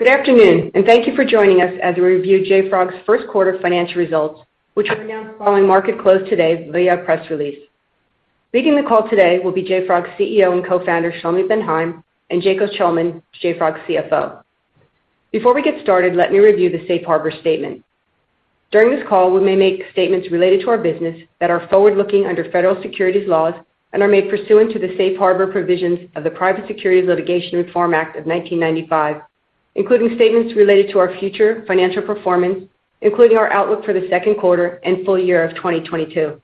Good afternoon, and thank you for joining us as we review JFrog's first quarter financial results, which were announced following market close today via press release. Leading the call today will be JFrog's CEO and co-founder, Shlomi Ben-Haim, and Jacob Shulman, JFrog's CFO. Before we get started, let me review the safe harbor statement. During this call, we may make statements related to our business that are forward-looking under federal securities laws and are made pursuant to the safe harbor provisions of the Private Securities Litigation Reform Act of 1995, including statements related to our future financial performance, including our outlook for the second quarter and full year of 2022.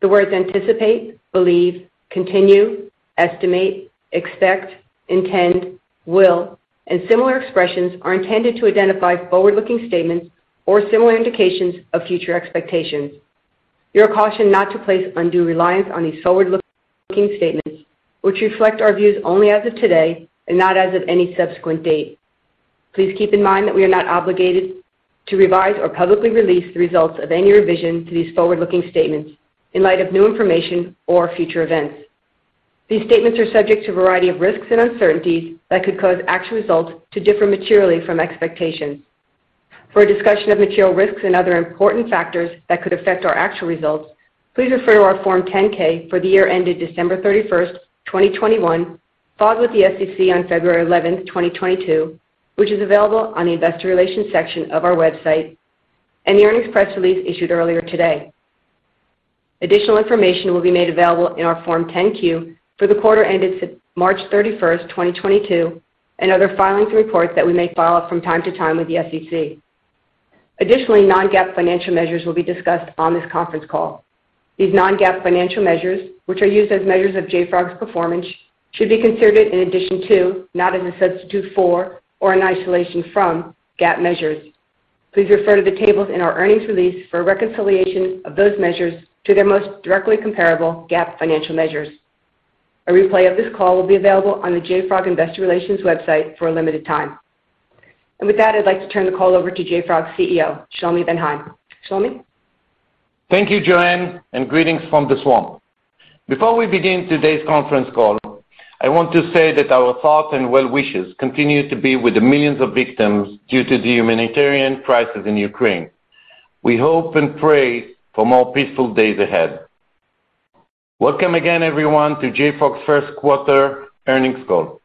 The words anticipate, believe, continue, estimate, expect, intend, will, and similar expressions are intended to identify forward-looking statements or similar indications of future expectations. You are cautioned not to place undue reliance on these forward-looking statements, which reflect our views only as of today and not as of any subsequent date. Please keep in mind that we are not obligated to revise or publicly release the results of any revision to these forward-looking statements in light of new information or future events. These statements are subject to a variety of risks and uncertainties that could cause actual results to differ materially from expectations. For a discussion of material risks and other important factors that could affect our actual results, please refer to our Form 10-K for the year ended December 31, 2021, filed with the SEC on February 11, 2022, which is available on the investor relations section of our website, and the earnings press release issued earlier today. Additional information will be made available in our Form 10-Q for the quarter ended March 31, 2022, and other filings and reports that we may file from time to time with the SEC. Additionally, non-GAAP financial measures will be discussed on this conference call. These non-GAAP financial measures, which are used as measures of JFrog's performance, should be considered in addition to, not as a substitute for or in isolation from GAAP measures. Please refer to the tables in our earnings release for a reconciliation of those measures to their most directly comparable GAAP financial measures. A replay of this call will be available on the JFrog Investor Relations website for a limited time. With that, I'd like to turn the call over to JFrog's CEO, Shlomi Ben-Haim. Shlomi? Thank you, Joanne, and greetings from the Swamp. Before we begin today's conference call, I want to say that our thoughts and well wishes continue to be with the millions of victims due to the humanitarian crisis in Ukraine. We hope and pray for more peaceful days ahead. Welcome again, everyone, to JFrog's first quarter earnings call.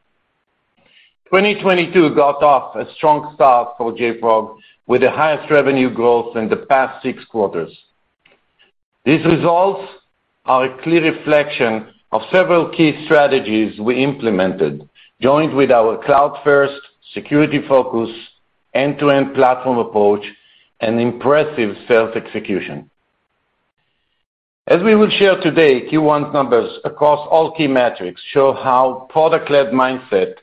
2022 got off a strong start for JFrog with the highest revenue growth in the past six quarters. These results are a clear reflection of several key strategies we implemented, joined with our cloud-first security focus, end-to-end platform approach, and impressive sales execution. As we will share today, Q1's numbers across all key metrics show how product-led mindset,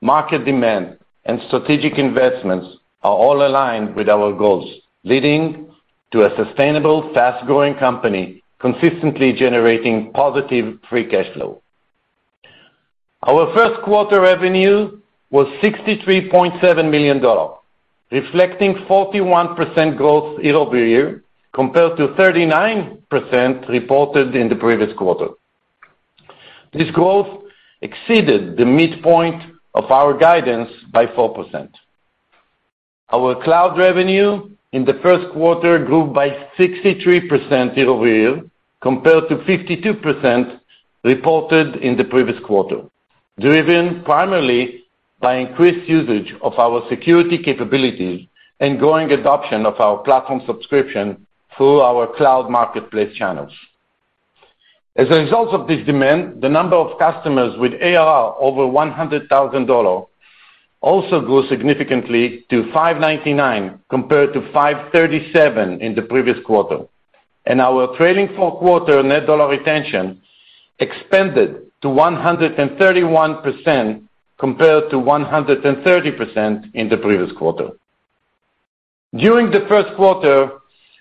market demand, and strategic investments are all aligned with our goals, leading to a sustainable, fast-growing company consistently generating positive free cash flow. Our first quarter revenue was $63.7 million, reflecting 41% growth year-over-year, compared to 39% reported in the previous quarter. This growth exceeded the midpoint of our guidance by 4%. Our cloud revenue in the first quarter grew by 63% year-over-year, compared to 52% reported in the previous quarter, driven primarily by increased usage of our security capabilities and growing adoption of our platform subscription through our cloud marketplace channels. As a result of this demand, the number of customers with ARR over $100,000 also grew significantly to 599, compared to 537 in the previous quarter. Our trailing four quarter net dollar retention expanded to 131% compared to 130% in the previous quarter. During the first quarter,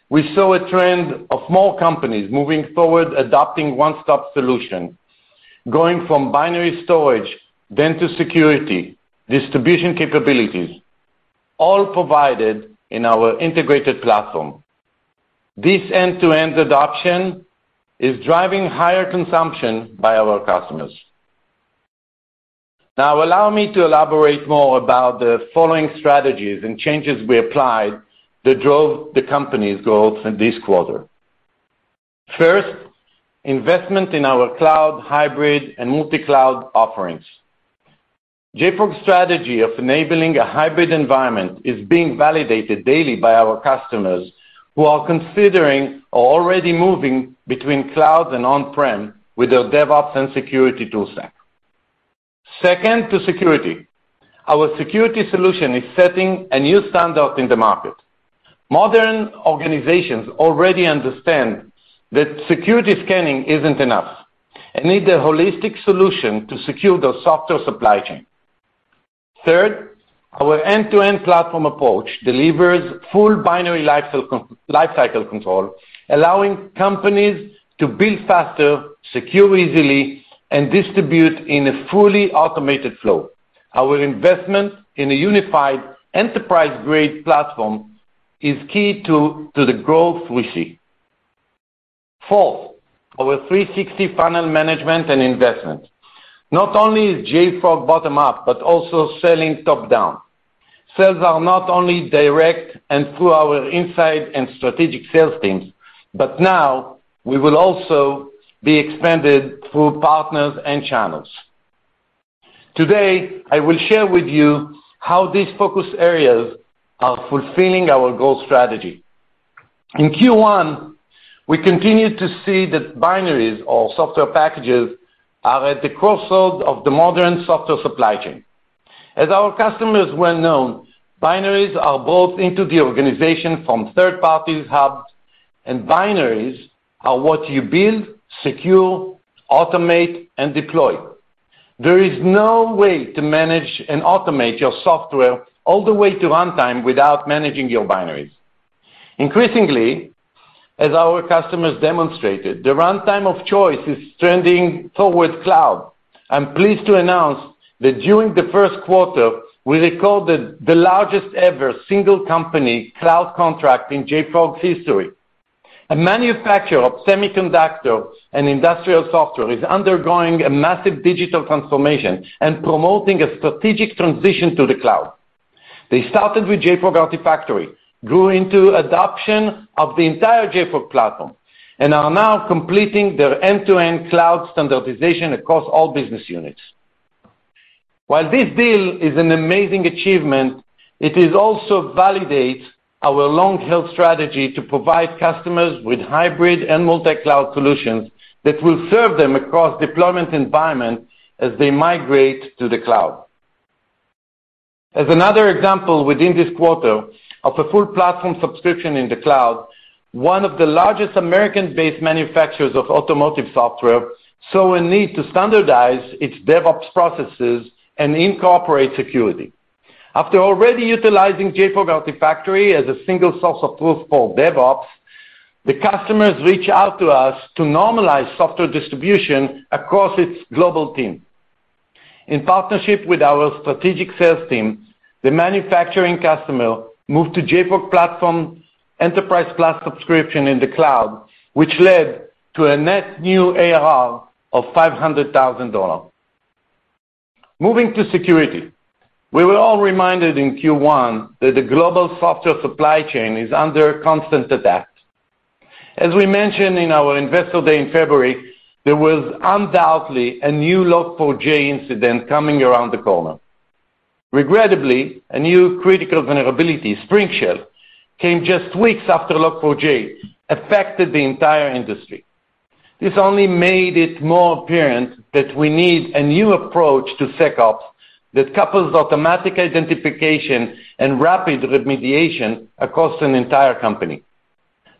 we saw a trend of more companies moving forward adopting one-stop solution, going from binary storage then to security, distribution capabilities, all provided in our integrated platform. This end-to-end adoption is driving higher consumption by our customers. Now, allow me to elaborate more about the following strategies and changes we applied that drove the company's growth in this quarter. First, investment in our cloud, hybrid, and multi-cloud offerings. JFrog's strategy of enabling a hybrid environment is being validated daily by our customers who are considering or already moving between cloud and on-prem with their DevOps and security tool stack. Second to security. Our security solution is setting a new standard in the market. Modern organizations already understand that security scanning isn't enough and need a holistic solution to secure their software supply chain. Third, our end-to-end platform approach delivers full binary lifecycle control, allowing companies to build faster, secure easily, and distribute in a fully automated flow. Our investment in a unified enterprise-grade platform is key to the growth we see. Fourth, our 360 funnel management and investments. Not only is JFrog bottom-up, but also selling top-down. Sales are not only direct and through our inside and strategic sales teams, but now we will also be expanded through partners and channels. Today, I will share with you how these focus areas are fulfilling our growth strategy. In Q1, we continued to see that binaries or software packages are at the crossroad of the modern software supply chain. As our customers well know, binaries are bought into the organization from third-party hubs, and binaries are what you build, secure, automate, and deploy. There is no way to manage and automate your software all the way to runtime without managing your binaries. Increasingly, as our customers demonstrated, the runtime of choice is trending towards cloud. I'm pleased to announce that during the first quarter, we recorded the largest ever single company cloud contract in JFrog's history. A manufacturer of semiconductor and industrial software is undergoing a massive digital transformation and promoting a strategic transition to the cloud. They started with JFrog Artifactory, grew into adoption of the entire JFrog Platform, and are now completing their end-to-end cloud standardization across all business units. While this deal is an amazing achievement, it also validates our long-held strategy to provide customers with hybrid and multi-cloud solutions that will serve them across deployment environment as they migrate to the cloud. As another example within this quarter of a full platform subscription in the cloud, one of the largest American-based manufacturers of automotive software saw a need to standardize its DevOps processes and incorporate security. After already utilizing JFrog Artifactory as a single source of truth for DevOps, the customer reached out to us to normalize software distribution across its global team. In partnership with our strategic sales team, the manufacturing customer moved to JFrog Platform enterprise-class subscription in the cloud, which led to a net new ARR of $500,000. Moving to security. We were all reminded in Q1 that the global software supply chain is under constant attack. As we mentioned in our investor day in February, there was undoubtedly a new Log4j incident coming around the corner. Regrettably, a new critical vulnerability, Spring4Shell, came just weeks after Log4j affected the entire industry. This only made it more apparent that we need a new approach to SecOps that couples automatic identification and rapid remediation across an entire company.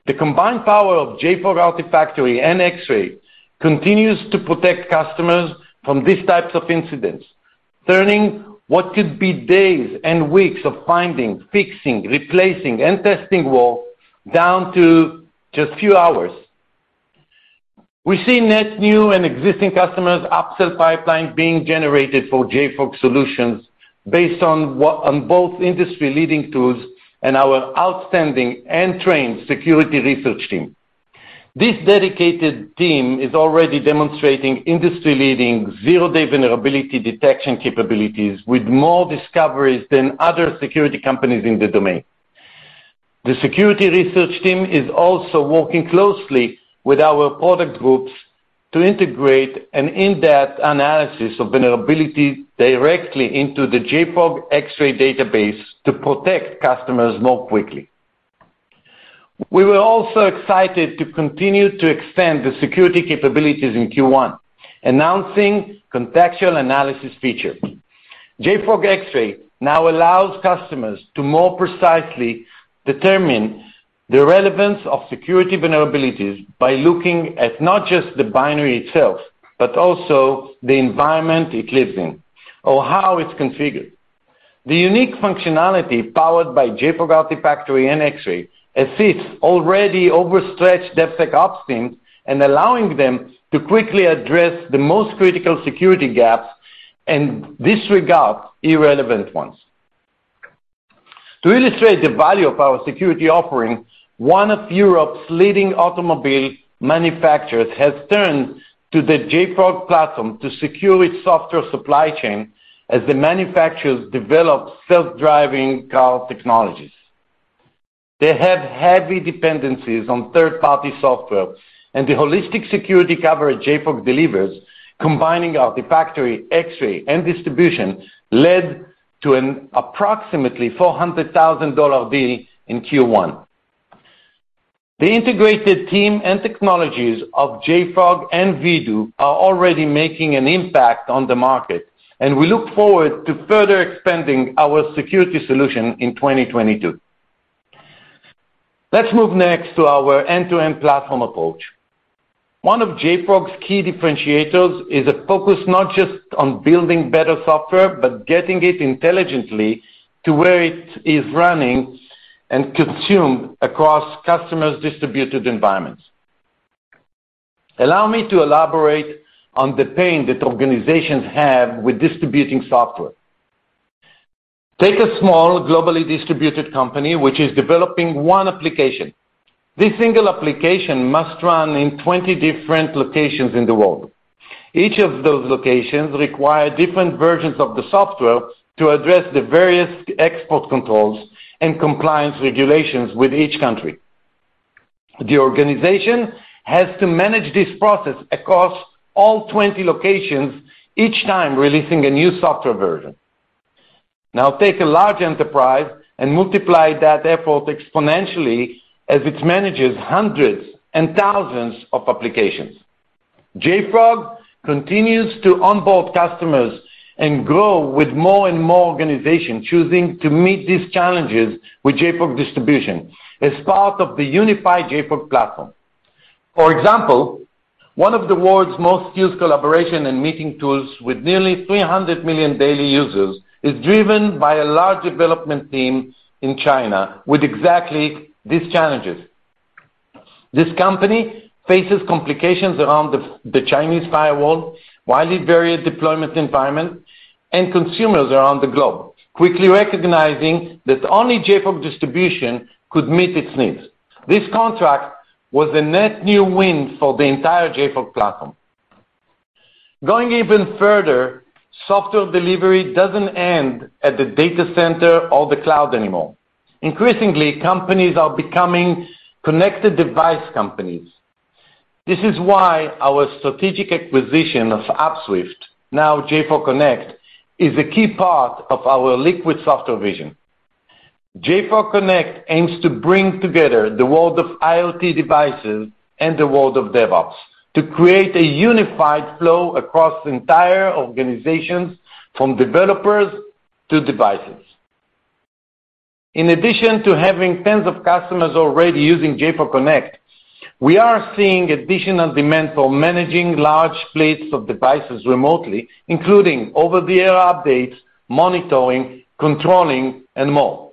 The combined power of JFrog Artifactory and Xray continues to protect customers from these types of incidents, turning what could be days and weeks of finding, fixing, replacing, and testing work down to just few hours. We see net new and existing customers' upsell pipelines being generated for JFrog solutions based on both industry leading tools and our outstanding and trained security research team. This dedicated team is already demonstrating industry-leading zero-day vulnerability detection capabilities with more discoveries than other security companies in the domain. The security research team is also working closely with our product groups to integrate an in-depth analysis of vulnerability directly into the JFrog Xray database to protect customers more quickly. We were also excited to continue to extend the security capabilities in Q1, announcing contextual analysis feature. JFrog Xray now allows customers to more precisely determine the relevance of security vulnerabilities by looking at not just the binary itself, but also the environment it lives in or how it's configured. The unique functionality powered by JFrog Artifactory and Xray assists already overstretched DevSecOps teams in allowing them to quickly address the most critical security gaps and disregard irrelevant ones. To illustrate the value of our security offering, one of Europe's leading automobile manufacturers has turned to the JFrog platform to secure its software supply chain as the manufacturers develop self-driving car technologies. They have heavy dependencies on third-party software, and the holistic security coverage JFrog delivers, combining Artifactory, Xray, and distribution, led to an approximately $400,000 deal in Q1. The integrated team and technologies of JFrog and Vdoo are already making an impact on the market, and we look forward to further expanding our security solution in 2022. Let's move next to our end-to-end platform approach. One of JFrog's key differentiators is a focus not just on building better software, but getting it intelligently to where it is running and consumed across customers' distributed environments. Allow me to elaborate on the pain that organizations have with distributing software. Take a small, globally distributed company which is developing one application. This single application must run in 20 different locations in the world. Each of those locations require different versions of the software to address the various export controls and compliance regulations with each country. The organization has to manage this process across all 20 locations, each time releasing a new software version. Now take a large enterprise and multiply that effort exponentially as it manages hundreds and thousands of applications. JFrog continues to onboard customers and grow with more and more organizations choosing to meet these challenges with JFrog Distribution as part of the unified JFrog platform. For example, one of the world's most used collaboration and meeting tools with nearly 300 million daily users is driven by a large development team in China with exactly these challenges. This company faces complications around the Chinese firewall, widely varied deployment environment, and consumers around the globe, quickly recognizing that only JFrog Distribution could meet its needs. This contract was a net new win for the entire JFrog platform. Going even further, software delivery doesn't end at the data center or the cloud anymore. Increasingly, companies are becoming connected device companies. This is why our strategic acquisition of Upswift, now JFrog Connect, is a key part of our liquid software vision. JFrog Connect aims to bring together the world of IoT devices and the world of DevOps to create a unified flow across entire organizations from developers to devices. In addition to having tens of customers already using JFrog Connect, we are seeing additional demand for managing large fleets of devices remotely, including over-the-air updates, monitoring, controlling, and more.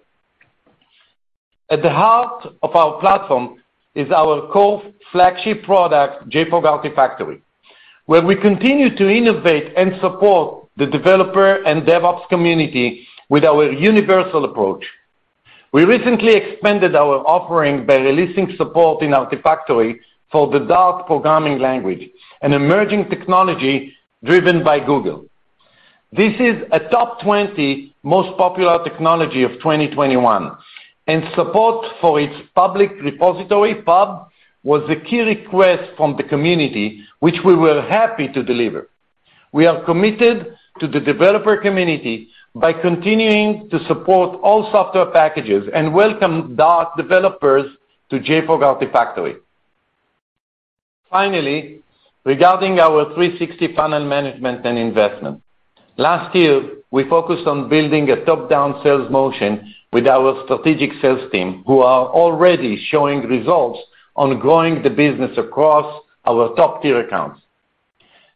At the heart of our platform is our core flagship product, JFrog Artifactory, where we continue to innovate and support the developer and DevOps community with our universal approach. We recently expanded our offering by releasing support in Artifactory for the Dart programming language, an emerging technology driven by Google. This is a top 20 most popular technology of 2021, and support for its public repository, Pub, was a key request from the community, which we were happy to deliver. We are committed to the developer community by continuing to support all software packages and welcome Dart developers to JFrog Artifactory. Finally, regarding our 360 funnel management and investment. Last year, we focused on building a top-down sales motion with our strategic sales team who are already showing results on growing the business across our top-tier accounts.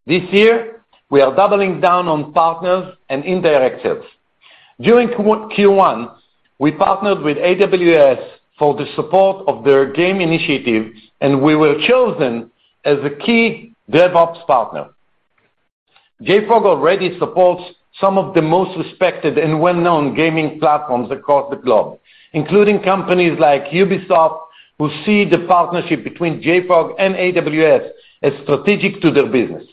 This year, we are doubling down on partners and indirect sales. During Q1, we partnered with AWS for the support of their game initiative, and we were chosen as a key DevOps partner. JFrog already supports some of the most respected and well-known gaming platforms across the globe, including companies like Ubisoft, who see the partnership between JFrog and AWS as strategic to their business.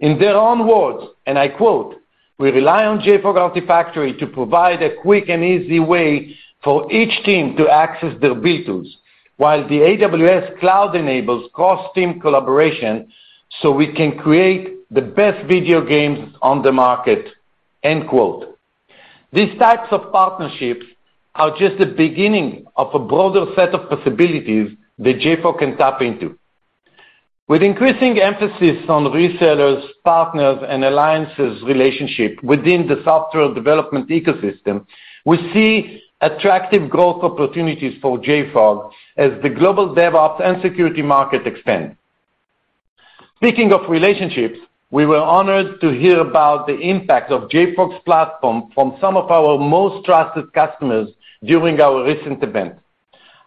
In their own words, and I quote, "We rely on JFrog Artifactory to provide a quick and easy way for each team to access their dev tools, while the AWS cloud enables cross-team collaboration so we can create the best video games on the market." End quote. These types of partnerships are just the beginning of a broader set of possibilities that JFrog can tap into. With increasing emphasis on resellers, partners, and alliances relationship within the software development ecosystem, we see attractive growth opportunities for JFrog as the global DevOps and security market expand. Speaking of relationships, we were honored to hear about the impact of JFrog's platform from some of our most trusted customers during our recent event.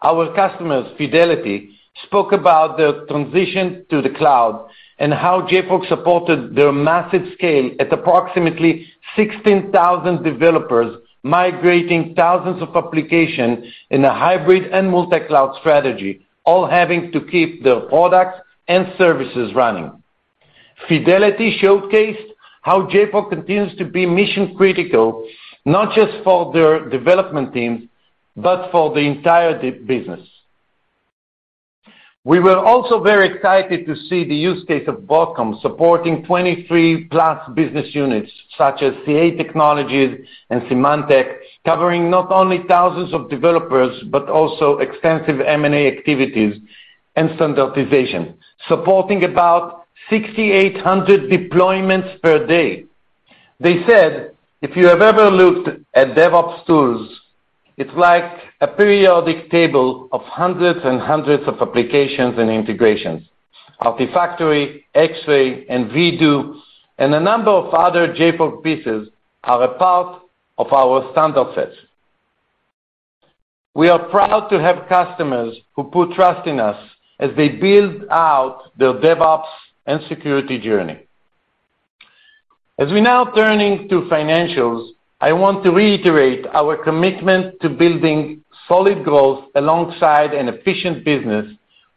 Our customers, Fidelity, spoke about their transition to the cloud and how JFrog supported their massive scale at approximately 16,000 developers migrating thousands of applications in a hybrid and multi-cloud strategy, all having to keep their products and services running. Fidelity showcased how JFrog continues to be mission-critical, not just for their development teams, but for the entire business. We were also very excited to see the use case of Broadcom supporting 23+ business units such as CA Technologies and Symantec, covering not only thousands of developers, but also extensive M&A activities and standardization, supporting about 6,800 deployments per day. They said, "If you have ever looked at DevOps tools, it's like a periodic table of hundreds and hundreds of applications and integrations. Artifactory, Xray, and Vdoo, and a number of other JFrog pieces are a part of our standard sets." We are proud to have customers who put trust in us as they build out their DevOps and security journey. As we're now turning to financials, I want to reiterate our commitment to building solid growth alongside an efficient business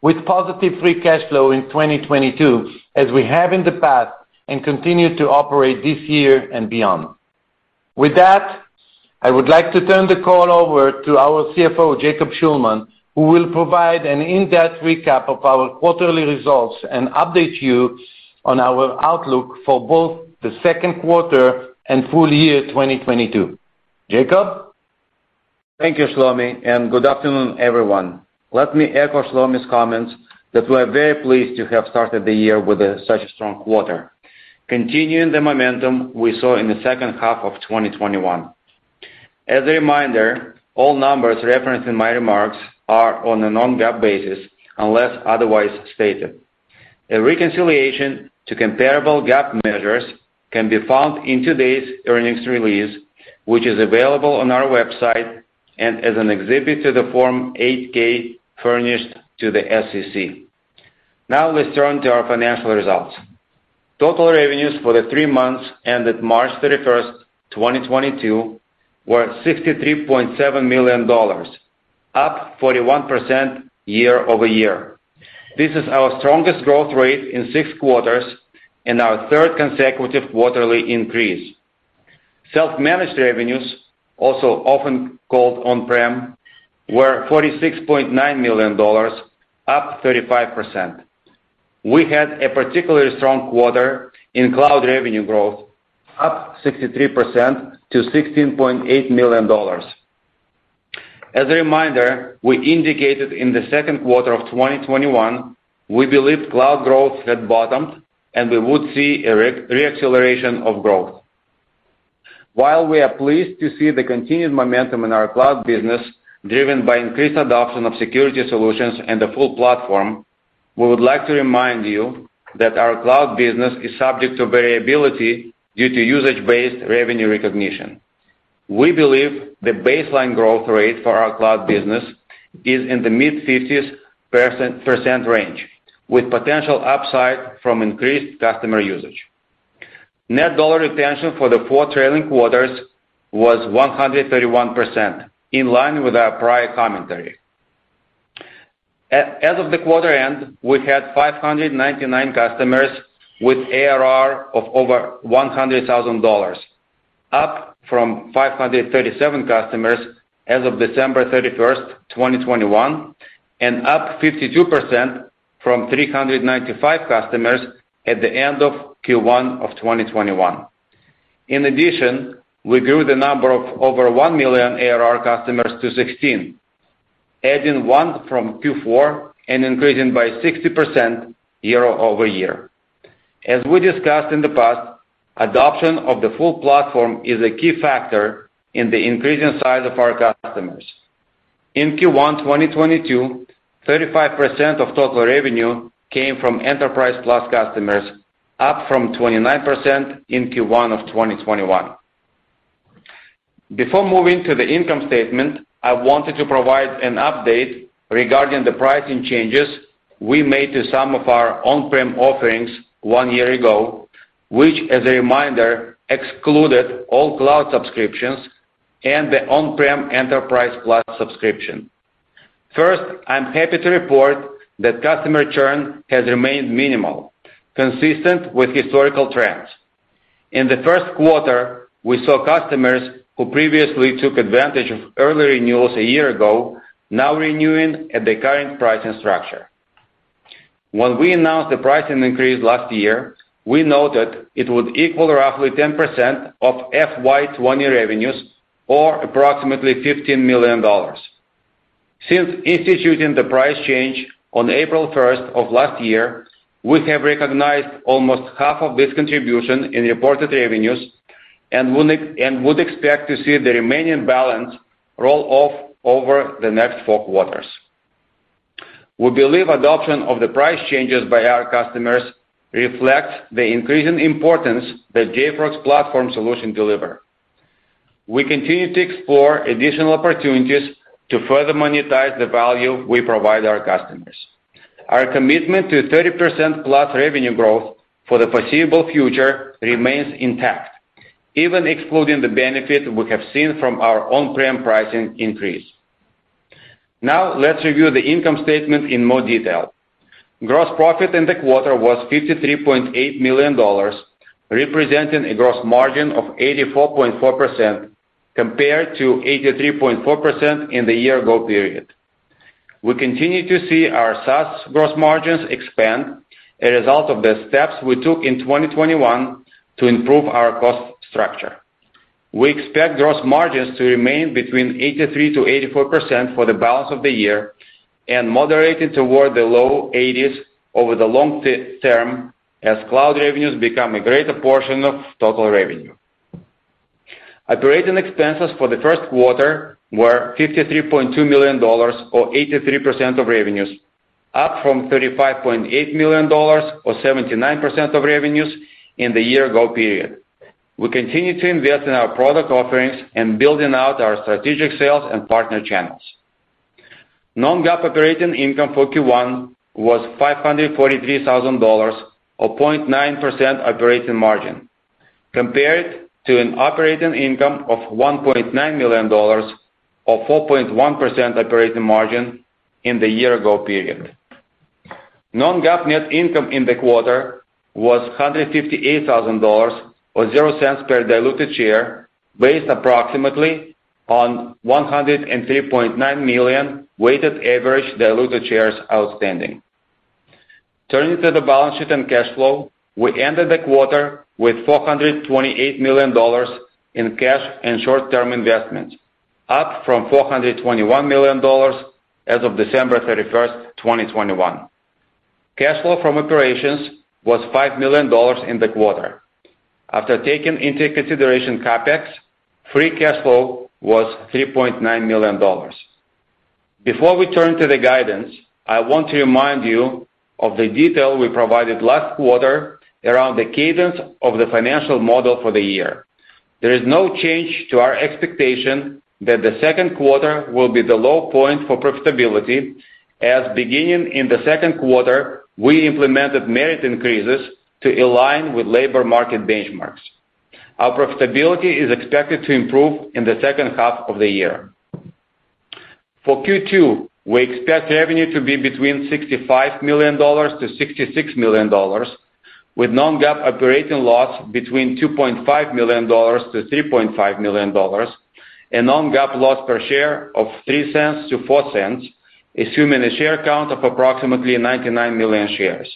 with positive free cash flow in 2022, as we have in the past, and continue to operate this year and beyond. With that, I would like to turn the call over to our CFO, Jacob Shulman, who will provide an in-depth recap of our quarterly results and update you on our outlook for both the second quarter and full year 2022. Jacob? Thank you, Shlomi, and good afternoon, everyone. Let me echo Shlomi's comments that we are very pleased to have started the year with such a strong quarter, continuing the momentum we saw in the second half of 2021. As a reminder, all numbers referenced in my remarks are on a non-GAAP basis, unless otherwise stated. A reconciliation to comparable GAAP measures can be found in today's earnings release, which is available on our website and as an exhibit to the Form 8-K furnished to the SEC. Now let's turn to our financial results. Total revenues for the three months ended March 31, 2022, were $63.7 million, up 41% year-over-year. This is our strongest growth rate in six quarters and our third consecutive quarterly increase. Self-managed revenues, also often called on-prem, were $46.9 million, up 35%. We had a particularly strong quarter in cloud revenue growth, up 63%-$16.8 million. As a reminder, we indicated in the second quarter of 2021 we believed cloud growth had bottomed and we would see a reacceleration of growth. While we are pleased to see the continued momentum in our cloud business driven by increased adoption of security solutions and the full platform, we would like to remind you that our cloud business is subject to variability due to usage-based revenue recognition. We believe the baseline growth rate for our cloud business is in the mid-50s% range, with potential upside from increased customer usage. Net dollar retention for the four trailing quarters was 131%, in line with our prior commentary. As of the quarter end, we had 599 customers with ARR of over $100,000, up from 537 customers as of December 31, 2021, and up 52% from 395 customers at the end of Q1 of 2021. In addition, we grew the number of over one million ARR customers to 16, adding 1 from Q4 and increasing by 60% year-over-year. As we discussed in the past, adoption of the full platform is a key factor in the increasing size of our customers. In Q1 2022, 35% of total revenue came from Enterprise Plus customers, up from 29% in Q1 of 2021. Before moving to the income statement, I wanted to provide an update regarding the pricing changes we made to some of our on-prem offerings one year ago, which, as a reminder, excluded all cloud subscriptions and the on-prem Enterprise Plus subscription. First, I'm happy to report that customer churn has remained minimal, consistent with historical trends. In the first quarter, we saw customers who previously took advantage of early renewals a year ago, now renewing at the current pricing structure. When we announced the pricing increase last year, we noted it would equal roughly 10% of FY 2020 revenues or approximately $15 million. Since instituting the price change on April first of last year, we have recognized almost half of this contribution in reported revenues and would expect to see the remaining balance roll off over the next four quarters. We believe adoption of the price changes by our customers reflects the increasing importance that JFrog's platform solution deliver. We continue to explore additional opportunities to further monetize the value we provide our customers. Our commitment to 30%+ revenue growth for the foreseeable future remains intact, even excluding the benefit we have seen from our on-prem pricing increase. Now let's review the income statement in more detail. Gross profit in the quarter was $53.8 million, representing a gross margin of 84.4% compared to 83.4% in the year ago period. We continue to see our SaaS gross margins expand as a result of the steps we took in 2021 to improve our cost structure. We expect gross margins to remain between 83%-84% for the balance of the year and moderated toward the low 80s over the long-term as cloud revenues become a greater portion of total revenue. Operating expenses for the first quarter were $53.2 million or 83% of revenues, up from $35.8 million or 79% of revenues in the year ago period. We continue to invest in our product offerings and building out our strategic sales and partner channels. non-GAAP operating income for Q1 was $543,000 or 0.9% operating margin, compared to an operating income of $1.9 million or 4.1% operating margin in the year ago period. non-GAAP net income in the quarter was $158,000 or 0 cents per diluted share, based approximately on 103.9 million weighted average diluted shares outstanding. Turning to the balance sheet and cash flow, we ended the quarter with $428 million in cash and short-term investments, up from $421 million as of December 31, 2021. Cash flow from operations was $5 million in the quarter. After taking into consideration CapEx, free cash flow was $3.9 million. Before we turn to the guidance, I want to remind you of the detail we provided last quarter around the cadence of the financial model for the year. There is no change to our expectation that the second quarter will be the low point for profitability as beginning in the second quarter, we implemented merit increases to align with labor market benchmarks. Our profitability is expected to improve in the second half of the year. For Q2, we expect revenue to be between $65 million-$66 million, with non-GAAP operating loss between $2.5 million-$3.5 million, and non-GAAP loss per share of $0.03-$0.04, assuming a share count of approximately 99 million shares.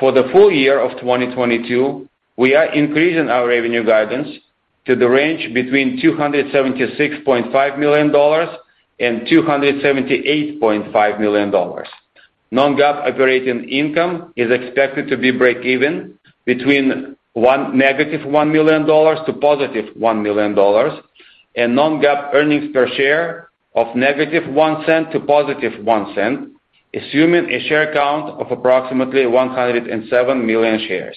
For the full year of 2022, we are increasing our revenue guidance to the range between $276.5 million and $278.5 million. Non-GAAP operating income is expected to be breakeven between negative $1 million to positive $1 million, and non-GAAP earnings per share of negative $0.01 to positive $0.01, assuming a share count of approximately 107 million shares.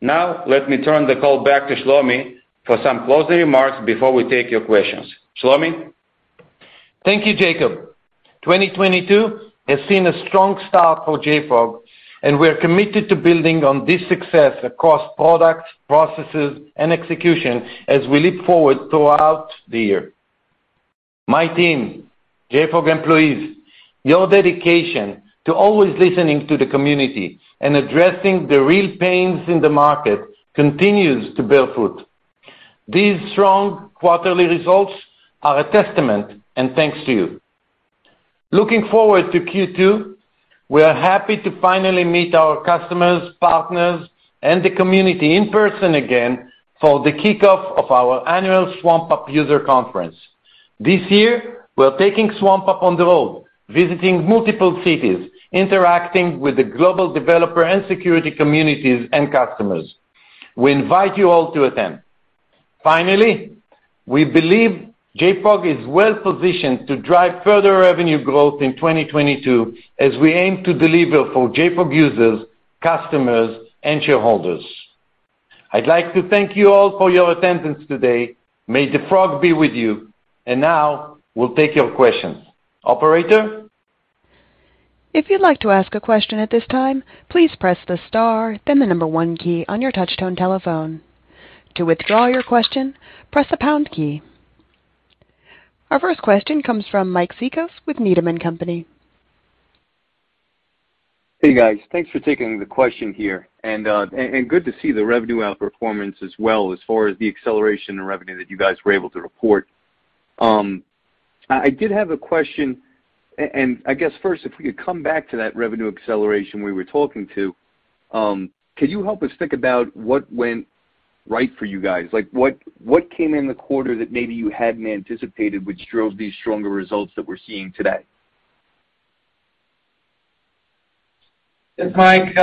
Now, let me turn the call back to Shlomi for some closing remarks before we take your questions. Shlomi? Thank you, Jacob. 2022 has seen a strong start for JFrog, and we are committed to building on this success across products, processes, and execution as we leap forward throughout the year. My team, JFrog employees, your dedication to always listening to the community and addressing the real pains in the market continues to bear fruit. These strong quarterly results are a testament, and thanks to you. Looking forward to Q2, we are happy to finally meet our customers, partners, and the community in person again for the kickoff of our annual swampUP user conference. This year, we're taking swampUP on the road, visiting multiple cities, interacting with the global developer and security communities and customers. We invite you all to attend. Finally, we believe JFrog is well positioned to drive further revenue growth in 2022 as we aim to deliver for JFrog users, customers, and shareholders. I'd like to thank you all for your attendance today. May the frog be with you. Now we'll take your questions. Operator? If you'd like to ask a question at this time, please press the star then the number one key on your touchtone telephone. To withdraw your question, press the pound key. Our first question comes from Mike Cikos with Needham & Company. Hey, guys. Thanks for taking the question here and good to see the revenue outperformance as well as far as the acceleration in revenue that you guys were able to report. I did have a question, and I guess first if we could come back to that revenue acceleration we were talking to. Could you help us think about what went right for you guys? Like, what came in the quarter that maybe you hadn't anticipated which drove these stronger results that we're seeing today? Yes, Mike,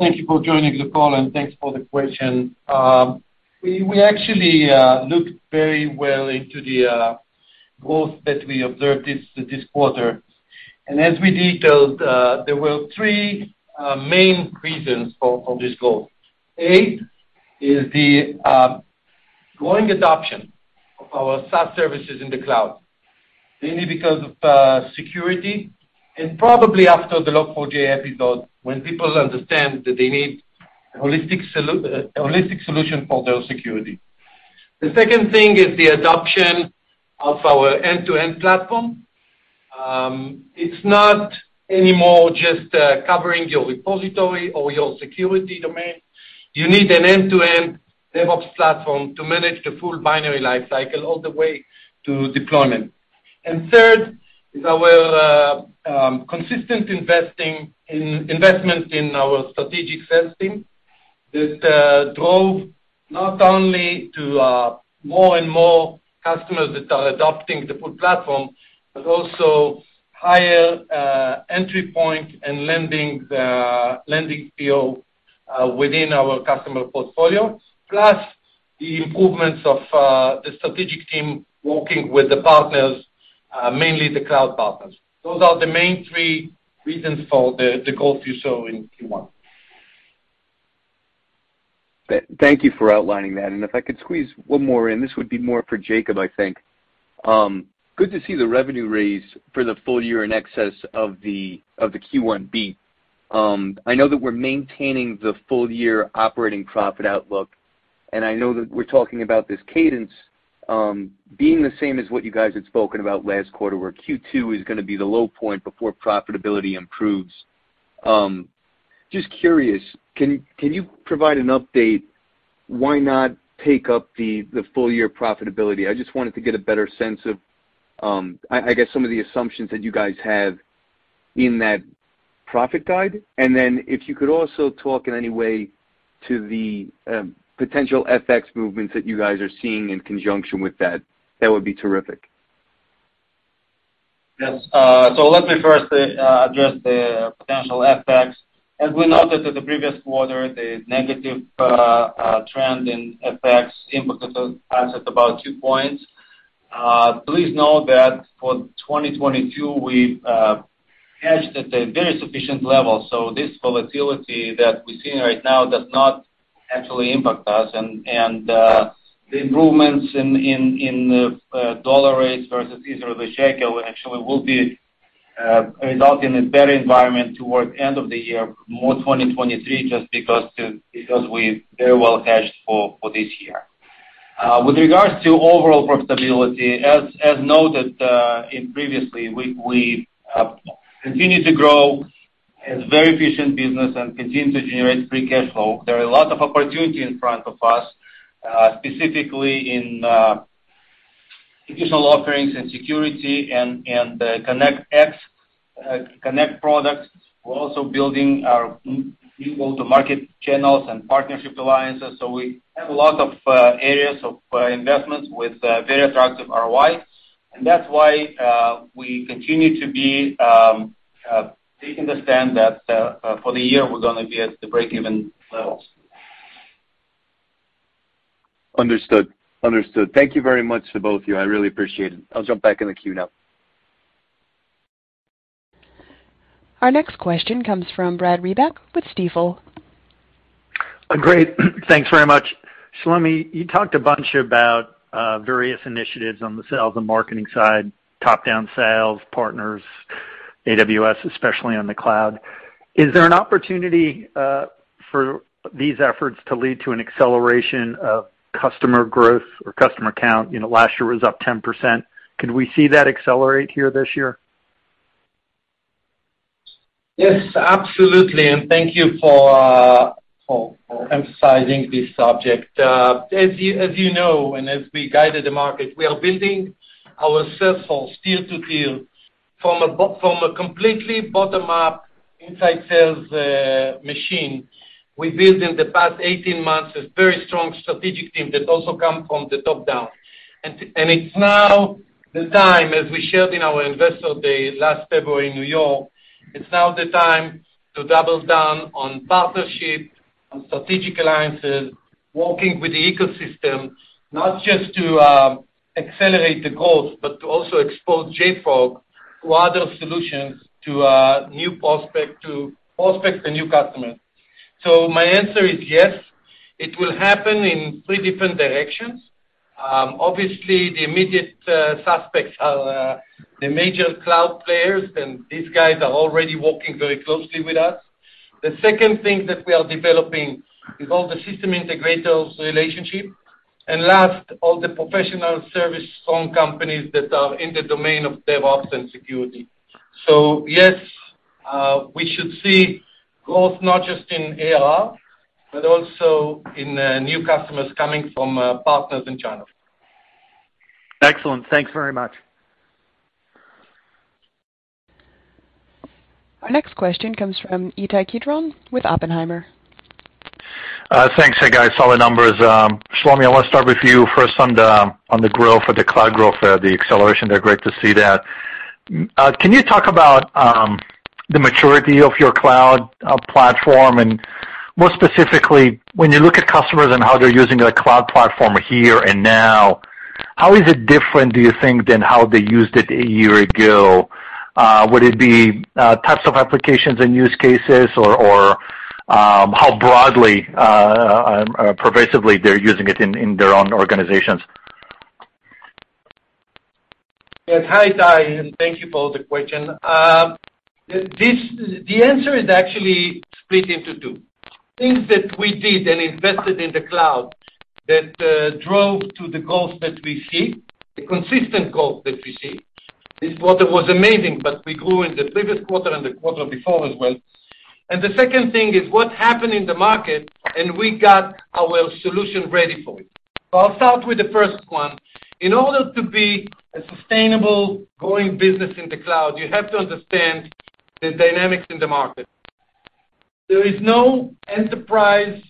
thank you for joining the call, and thanks for the question. We actually looked very well into the growth that we observed this quarter. As we detailed, there were three main reasons for this growth. A is the growing adoption of our SaaS services in the cloud, mainly because of security and probably after the Log4j episode when people understand that they need holistic solution for their security. The second thing is the adoption of our end-to-end platform. It's not anymore just covering your repository or your security domain. You need an end-to-end DevOps platform to manage the full binary life cycle all the way to deployment. Third is our consistent investment in our strategic sales team that drove not only to more and more customers that are adopting the full platform, but also higher entry point and landing PO within our customer portfolio. Plus the improvements of the strategic team working with the partners, mainly the cloud partners. Those are the main three reasons for the growth you saw in Q1. Thank you for outlining that. If I could squeeze one more in, this would be more for Jacob, I think. Good to see the revenue raise for the full year in excess of the Q1 beat. I know that we're maintaining the full year operating profit outlook, and I know that we're talking about this cadence being the same as what you guys had spoken about last quarter, where Q2 is gonna be the low point before profitability improves. Just curious, can you provide an update why not take up the full year profitability? I just wanted to get a better sense of, I guess some of the assumptions that you guys have in that profit guide. If you could also talk in any way to the potential FX movements that you guys are seeing in conjunction with that would be terrific. Yes. Let me first address the potential FX. As we noted in the previous quarter, the negative trend in FX impacted us at about 2 points. Please note that for 2022, we hedged at a very sufficient level, so this volatility that we're seeing right now does not actually impact us. The improvements in dollar rates versus Israel shekel actually will result in a better environment towards end of the year, into 2023, just because we very well hedged for this year. With regards to overall profitability, as noted previously, we continue to grow a very efficient business and continue to generate free cash flow. There are a lot of opportunity in front of us, specifically in additional offerings and security and Xray and Connect products. We're also building our new go-to-market channels and partnership alliances, so we have a lot of areas of investments with very attractive ROI. That's why we continue to be taking the stand that for the year, we're gonna be at the break-even levels. Understood. Thank you very much to both of you. I really appreciate it. I'll jump back in the queue now. Our next question comes from Brad Reback with Stifel. Great. Thanks very much. Shlomi, you talked a bunch about various initiatives on the sales and marketing side, top-down sales, partners, AWS, especially on the cloud. Is there an opportunity for these efforts to lead to an acceleration of customer growth or customer count? You know, last year was up 10%. Could we see that accelerate here this year? Yes, absolutely, and thank you for emphasizing this subject. As you know, and as we guided the market, we are building our sales force deal to deal from a completely bottom up inside sales machine. We built in the past 18 months a very strong strategic team that also come from the top down. And it's now the time, as we shared in our investor day last February in New York, it's now the time to double down on partnerships, on strategic alliances, working with the ecosystem, not just to accelerate the growth, but to also expose JFrog to other solutions, to new prospects and new customers. My answer is yes, it will happen in three different directions. Obviously, the immediate suspects are the major cloud players, and these guys are already working very closely with us. The second thing that we are developing is all the system integrators relationship. Last, all the professional service strong companies that are in the domain of DevOps and security. Yes, we should see growth not just in AR, but also in new customers coming from partners and channels. Excellent. Thanks very much. Our next question comes from Ittai Kidron with Oppenheimer. Thanks. Hey, guys, solid numbers. Shlomi, I wanna start with you first on the grill for the cloud growth, the acceleration there. Great to see that. Can you talk about the maturity of your cloud platform? More specifically, when you look at customers and how they're using the cloud platform here and now, how is it different, do you think, than how they used it a year ago? Would it be types of applications and use cases or how broadly pervasively they're using it in their own organizations? Yes. Hi, Ittai, and thank you for the question. The answer is actually split into two. Things that we did and invested in the cloud that drove to the growth that we see, the consistent growth that we see. This quarter was amazing, but we grew in the previous quarter and the quarter before as well. The second thing is what happened in the market, and we got our solution ready for it. I'll start with the first one. In order to be a sustainable growing business in the cloud, you have to understand the dynamics in the market. There is no enterprise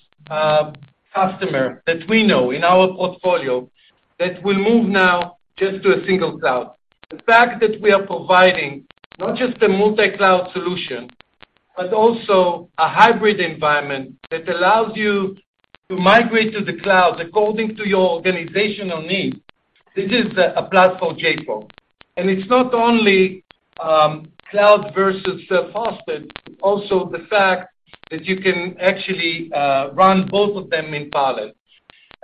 customer that we know in our portfolio that will move now just to a single cloud. The fact that we are providing not just a multi-cloud solution. But also a hybrid environment that allows you to migrate to the cloud according to your organizational needs. This is a platform, JFrog. It's not only cloud versus self-hosted, but also the fact that you can actually run both of them in parallel.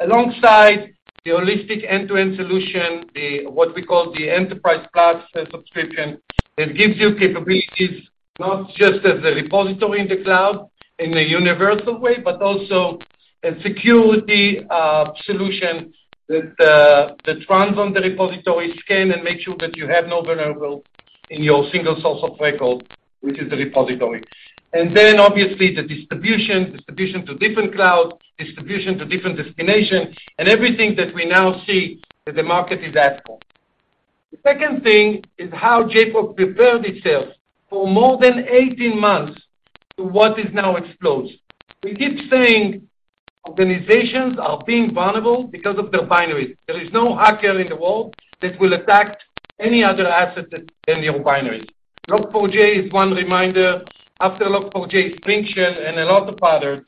Alongside the holistic end-to-end solution, what we call the enterprise class subscription, it gives you capabilities not just as a repository in the cloud in a universal way, but also a security solution that runs on the repository, scans and makes sure that you have no vulnerabilities in your single source of record, which is the repository. Then obviously, the distribution to different clouds, to different destinations, and everything that we now see that the market is asking. The second thing is how JFrog prepared itself for more than 18 months to what is now exposed. We keep saying organizations are being vulnerable because of their binaries. There is no hacker in the world that will attack any other asset than your binaries. Log4j is one reminder. After Log4j, Spring4Shell, and a lot of others.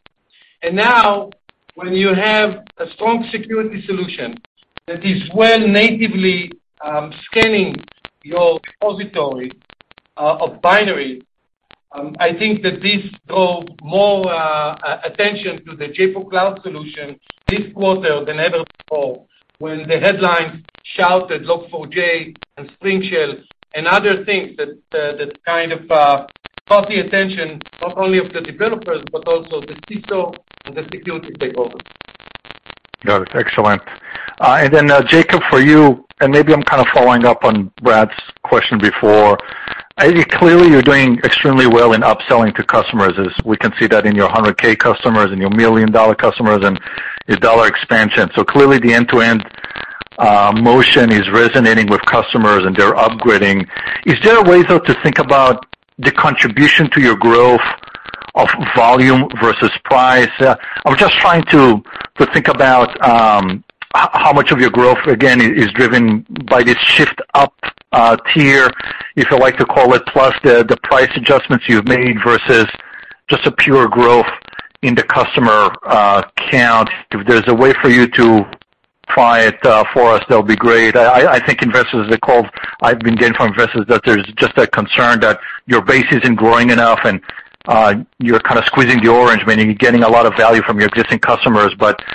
Now, when you have a strong security solution that is well natively scanning your repository of binary, I think that this drove more attention to the JFrog Cloud solution this quarter than ever before, when the headlines shouted Log4j and Spring4Shell and other things that kind of caught the attention not only of the developers, but also the CISO and the security stakeholders. Got it. Excellent. Jacob, for you, and maybe I'm kind of following up on Brad's question before. Clearly, you're doing extremely well in upselling to customers, as we can see that in your 100K customers and your million-dollar customers and your dollar expansion. Clearly, the end-to-end motion is resonating with customers, and they're upgrading. Is there a way, though, to think about the contribution to your growth of volume versus price? I'm just trying to think about how much of your growth, again, is driven by this shift up tier, if you like to call it, plus the price adjustments you've made versus just a pure growth in the customer count. If there's a way for you to try it for us, that would be great. I think investors have called. I've been getting from investors that there's just a concern that your base isn't growing enough and you're kind of squeezing the orange, meaning you're getting a lot of value from your existing customers. The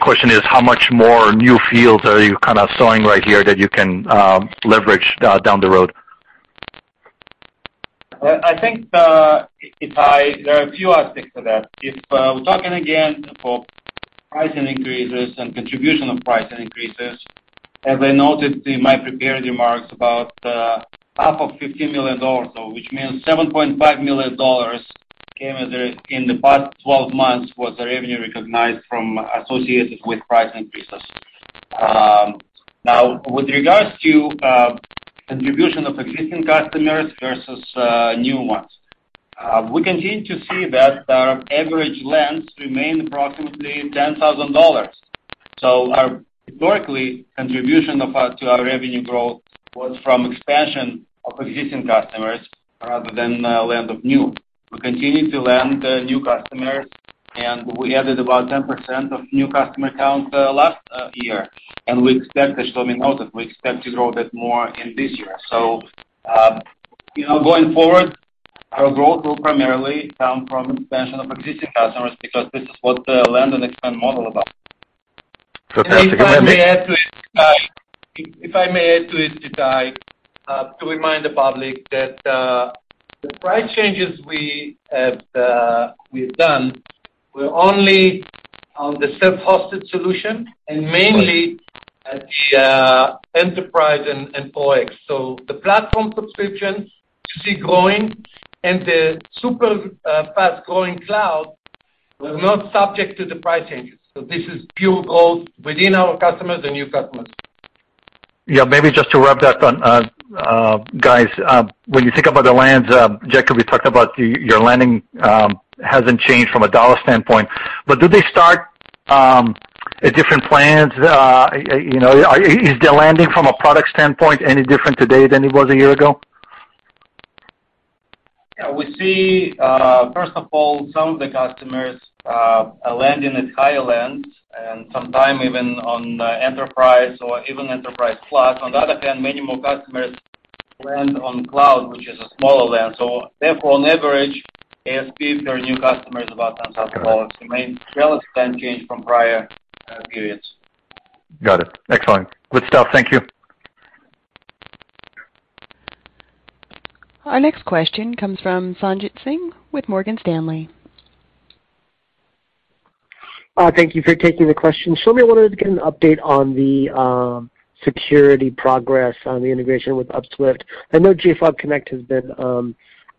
question is, how much more new fields are you kind of sowing right here that you can leverage down the road? I think, Ittai, there are a few aspects to that. If we're talking again for pricing increases and contribution of pricing increases, as I noted in my prepared remarks, about half of $50 million, which means $7.5 million came in the past twelve months, was the revenue recognized from associated with price increases. Now with regards to contribution of existing customers versus new ones. We continue to see that our average land remains approximately $10,000. So our historical contribution to our revenue growth was from expansion of existing customers rather than land and new. We continue to land new customers, and we added about 10% new customer count last year. As Shlomi noted, we expect to grow that more in this year. you know, going forward, our growth will primarily come from expansion of existing customers because this is what the land and expand model about. Can I take a minute? If I may add to it, Ittai, to remind the public that the price changes we have done were only on the self-hosted solution and mainly at enterprise and Pro X. The platform subscriptions we see growing and the super fast-growing cloud were not subject to the price changes. This is pure growth within our customers and new customers. Yeah, maybe just to wrap that up, guys, when you think about the landings, Jacob, you talked about your landing hasn't changed from a dollar standpoint, but do they start at different plans? You know, is the landing from a product standpoint any different today than it was a year ago? Yeah. We see, first of all, some of the customers are landing at higher lands and sometimes even on Enterprise or even Enterprise+. On the other hand, many more customers land on cloud, which is a smaller land. Therefore, on average, ASP for new customers is about $10,000. Okay. The main relevant land change from prior periods. Got it. Excellent. Good stuff. Thank you. Our next question comes from Sanjit Singh with Morgan Stanley. Thank you for taking the question. Shlomi, I wanted to get an update on the security progress on the integration with Upswift. I know JFrog Connect has been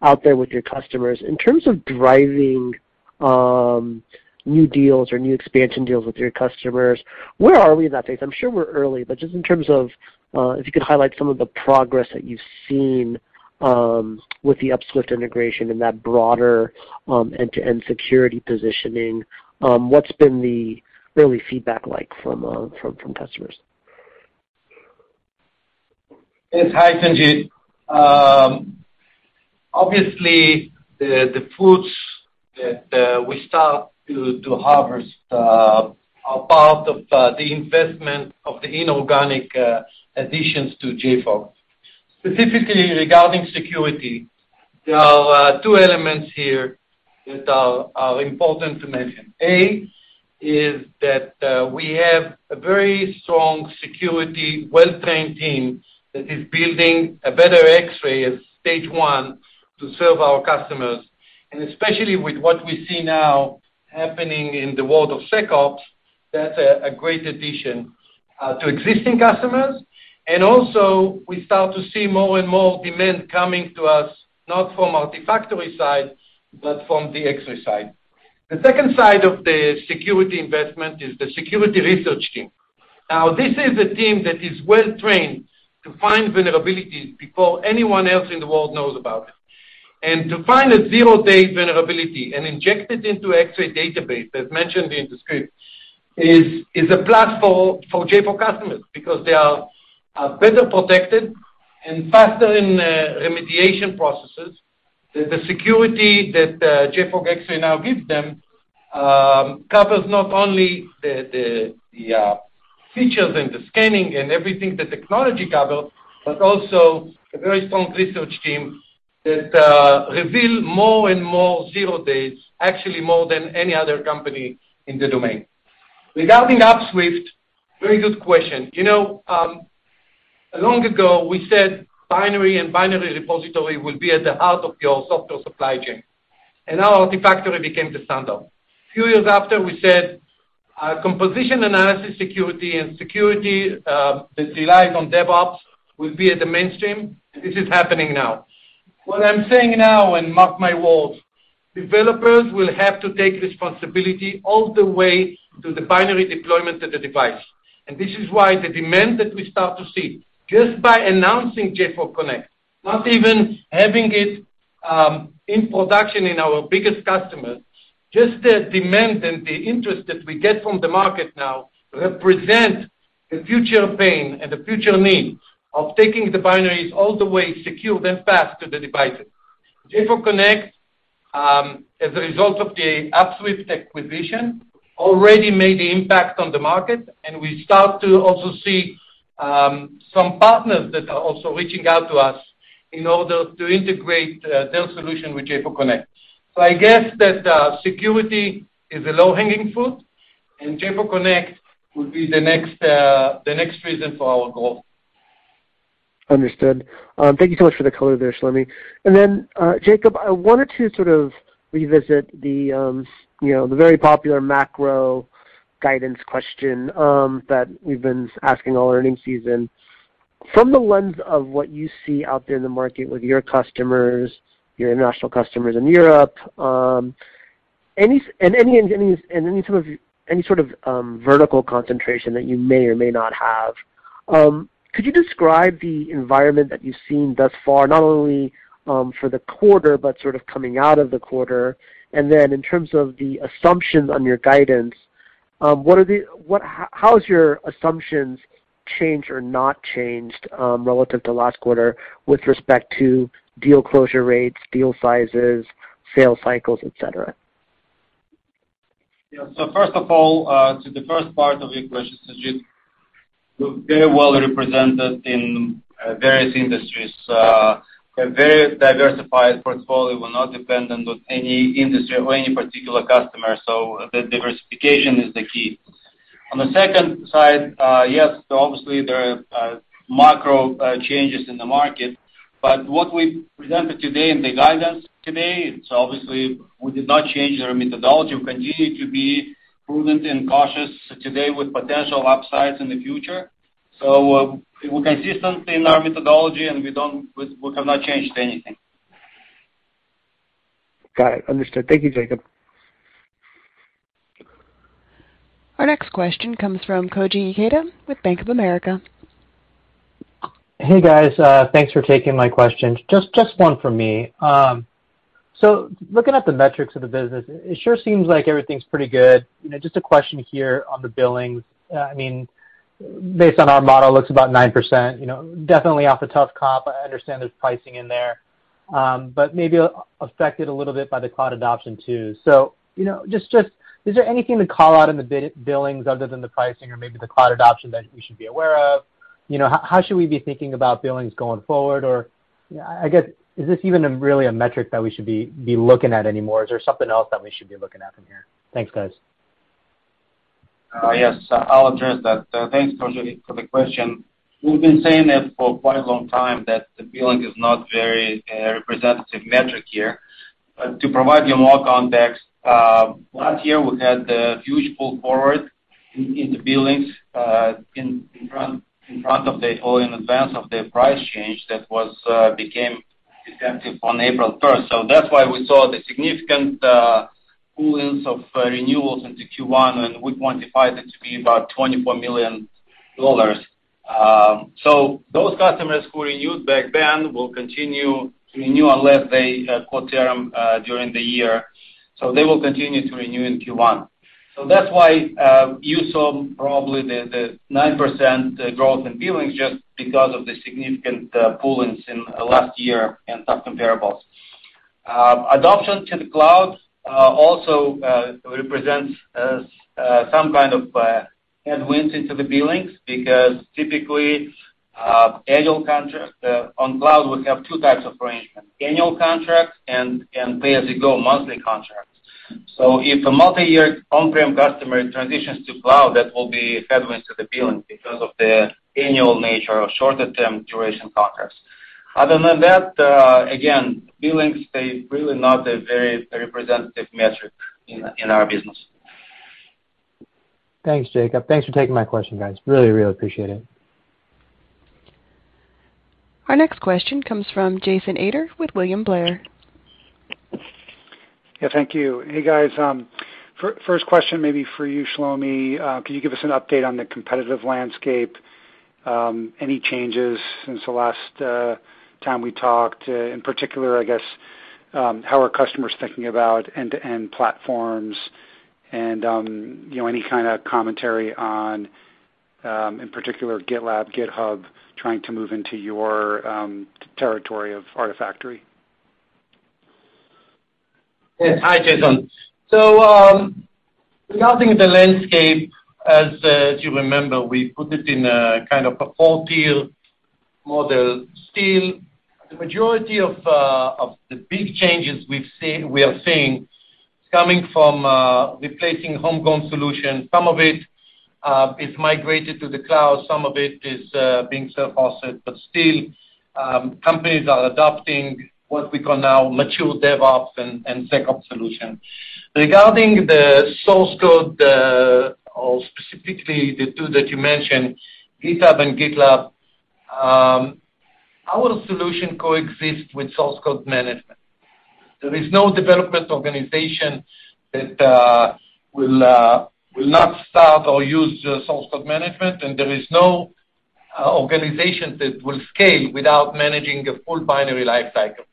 out there with your customers. In terms of driving new deals or new expansion deals with your customers, where are we in that phase? I'm sure we're early, but just in terms of if you could highlight some of the progress that you've seen with the Upswift integration and that broader end-to-end security positioning, what's been the early feedback like from customers? Yes. Hi, Sanjit. Obviously, the fruits that we start to harvest are part of the investment of the inorganic additions to JFrog. Specifically regarding security, there are two elements here that are important to mention. A is that we have a very strong security well-trained team that is building a better Xray as stage one to serve our customers. Especially with what we see now happening in the world of SecOps, that's a great addition to existing customers. Also we start to see more and more demand coming to us, not from Artifactory side, but from the Xray side. The second side of the security investment is the security research team. Now, this is a team that is well-trained to find vulnerabilities before anyone else in the world knows about it. To find a zero-day vulnerability and inject it into JFrog Xray database, as mentioned in the script, is a plus for JFrog customers because they are better protected and faster in remediation processes. The security that JFrog Xray now gives them covers not only the features and the scanning and everything the technology covers, but also a very strong research team that reveal more and more zero-days, actually more than any other company in the domain. Regarding Upswift, very good question. You know, long ago we said binary repository will be at the heart of your software supply chain, and now Artifactory became the standard. Few years after we said composition analysis security and security the reliance on DevOps will be at the mainstream. This is happening now. What I'm saying now, and mark my words, developers will have to take responsibility all the way to the binary deployment of the device. This is why the demand that we start to see just by announcing JFrog Connect, not even having it, in production in our biggest customers, just the demand and the interest that we get from the market now represent the future pain and the future need of taking the binaries all the way secure then fast to the devices. JFrog Connect, as a result of the Upswift acquisition, already made the impact on the market, and we start to also see, some partners that are also reaching out to us in order to integrate, their solution with JFrog Connect. I guess that security is a low-hanging fruit and JFrog Connect will be the next reason for our growth. Understood. Thank you so much for the color there, Shlomi. Then, Jacob, I wanted to sort of revisit the, you know, the very popular macro guidance question, that we've been asking all earnings season. From the lens of what you see out there in the market with your customers, your international customers in Europe, any sort of vertical concentration that you may or may not have, could you describe the environment that you've seen thus far, not only for the quarter, but sort of coming out of the quarter? In terms of the assumptions on your guidance, how has your assumptions changed or not changed, relative to last quarter with respect to deal closure rates, deal sizes, sales cycles, et cetera? First of all, to the first part of your question, Sanjit, we're very well represented in various industries. We have very diversified portfolio. We're not dependent on any industry or any particular customer, so the diversification is the key. On the second side, obviously there are macro changes in the market. What we presented today in the guidance today, so obviously we did not change our methodology. We continue to be prudent and cautious today with potential upsides in the future. We're consistent in our methodology, and we have not changed anything. Got it. Understood. Thank you, Jacob. Our next question comes from Koji Ikeda with Bank of America. Hey, guys. Thanks for taking my question. Just one from me. So looking at the metrics of the business, it sure seems like everything's pretty good. You know, just a question here on the billings. I mean, based on our model, looks about 9%, you know, definitely off a tough comp. I understand there's pricing in there, but maybe affected a little bit by the cloud adoption too. So, you know, just is there anything to call out in the billings other than the pricing or maybe the cloud adoption that we should be aware of? You know, how should we be thinking about billings going forward? Or, you know, I guess, is this even really a metric that we should be looking at anymore? Is there something else that we should be looking at in here? Thanks, guys. Yes. I'll address that. Thanks, Koji, for the question. We've been saying it for quite a long time that the billing is not very representative metric here. To provide you more context, last year we had a huge pull forward in the billings in advance of the price change that became effective on April first. That's why we saw the significant pull-ins of renewals into Q1, and we quantified it to be about 24 million. Those customers who renewed back then will continue to renew unless they co-term during the year. They will continue to renew in Q1. That's why you saw probably the 9% growth in billings just because of the significant pull-ins in last year and tough comparables. Adoption to the cloud also represents some kind of headwinds into the billings because typically annual contract on cloud, we have two types of arrangements, annual contracts and pay-as-you-go monthly contracts. If a multiyear on-prem customer transitions to cloud, that will be a headwind to the billing because of the annual nature of shorter-term duration contracts. Other than that, again, billings they really not a very representative metric in our business. Thanks, Jacob. Thanks for taking my question, guys. Really, really appreciate it. Our next question comes from Jason Ader with William Blair. Yeah, thank you. Hey, guys. First question may be for you, Shlomi. Can you give us an update on the competitive landscape? Any changes since the last time we talked? In particular, I guess, how are customers thinking about end-to-end platforms? You know, any kinda commentary on, in particular GitLab, GitHub, trying to move into your territory of Artifactory? Yes. Hi, Jason. Regarding the landscape, as you remember, we put it in a kind of a four-tier model. Still, the majority of the big changes we've seen, we are seeing coming from replacing homegrown solutions. Some of it is migrated to the cloud. Some of it is being self-hosted, but still, companies are adopting what we call now mature DevOps and SecOps solutions. Regarding the source code, or specifically the two that you mentioned, GitHub and GitLab, our solution coexist with source code management. There is no development organization that will not start or use source code management, and there is no organization that will scale without managing a full binary lifecycle.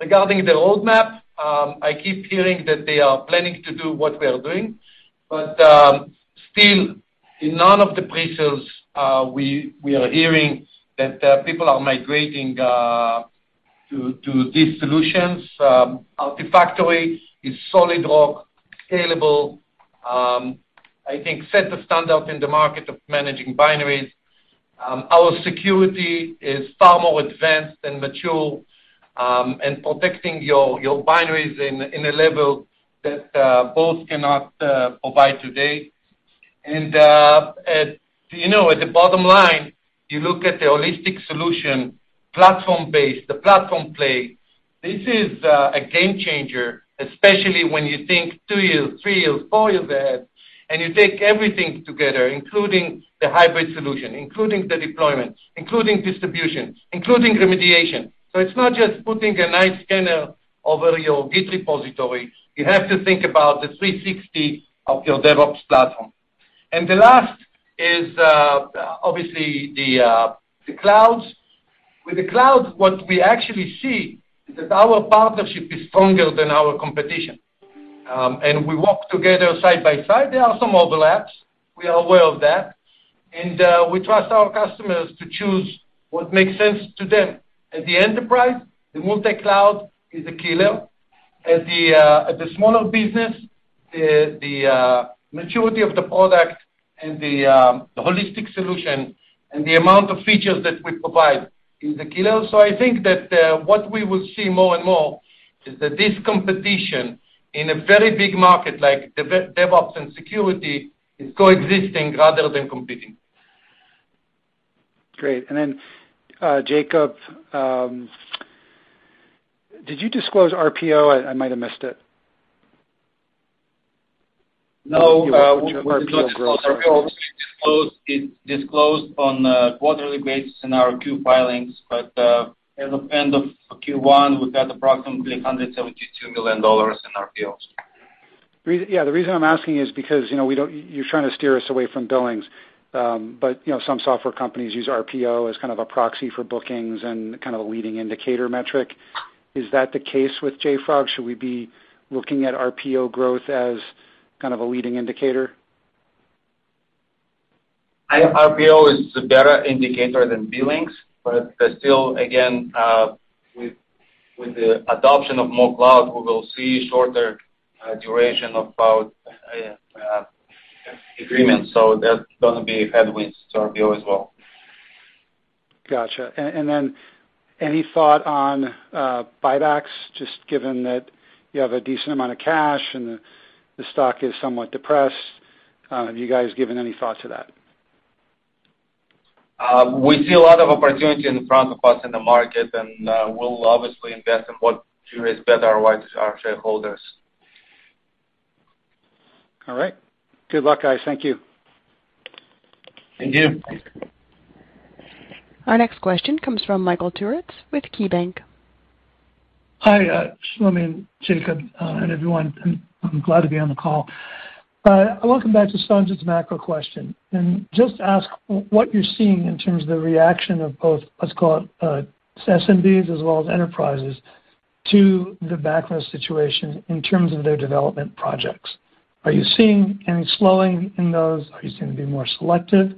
Regarding the roadmap, I keep hearing that they are planning to do what we are doing. Still, in none of the pre-sales, we are hearing that people are migrating to these solutions. Artifactory is solid rock, scalable, I think sets the standard in the market of managing binaries. Our security is far more advanced and mature, and protecting your binaries in a level that both cannot provide today. You know, at the bottom line, you look at the holistic solution, platform-based, the platform play, this is a game changer, especially when you think two years, three years, four years ahead, and you take everything together, including the hybrid solution, including the deployments, including distributions, including remediation. It's not just putting a nice scanner over your Git repository. You have to think about the 360 of your DevOps platform. The last is, obviously the clouds. With the clouds, what we actually see is that our partnership is stronger than our competition. We work together side by side. There are some overlaps, we are aware of that. We trust our customers to choose what makes sense to them. At the enterprise, the multi-cloud is a killer. At the smaller business, the maturity of the product and the holistic solution and the amount of features that we provide is a killer. I think that what we will see more and more is that this competition in a very big market like DevOps and security is coexisting rather than competing. Great. Jacob, did you disclose RPO? I might have missed it. No, we don't disclose RPOs. What's your RPO growth? It's disclosed on a quarterly basis in our Q filings, but at the end of Q1, we've got approximately $172 million in RPOs. Yeah, the reason I'm asking is because, you know, we don't, you're trying to steer us away from billings. You know, some software companies use RPO as kind of a proxy for bookings and kind of a leading indicator metric. Is that the case with JFrog? Should we be looking at RPO growth as kind of a leading indicator? I think RPO is a better indicator than billings, but still, again, with the adoption of more cloud, we will see shorter duration of cloud agreements, so that's gonna be headwinds to RPO as well. Gotcha. Any thought on buybacks, just given that you have a decent amount of cash and the stock is somewhat depressed? Have you guys given any thought to that? We see a lot of opportunity in front of us in the market, and we'll obviously invest in what generates better ROI to our shareholders. All right. Good luck, guys. Thank you. Thank you. Our next question comes from Michael Turits with KeyBanc. Hi, Shlomi and Jacob, and everyone. I'm glad to be on the call. I want to come back to Sanjit's macro question and just ask what you're seeing in terms of the reaction of both what's called, SMBs as well as enterprises to the backlog situation in terms of their development projects. Are you seeing any slowing in those? Are you seeing to be more selective?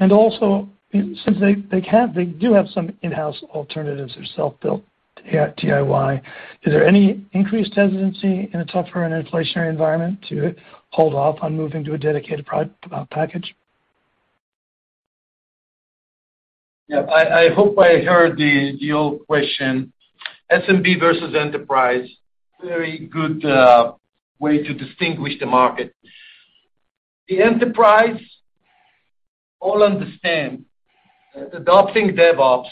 And also, since they do have some in-house alternatives or self-built, DIY, is there any increased tendency in a tougher and inflationary environment to hold off on moving to a dedicated Pro X package? Yeah. I hope I heard the old question. SMB versus enterprise, very good way to distinguish the market. The enterprise all understand that adopting DevOps